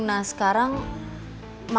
nah sekarang mama mau ke rumah sakit mas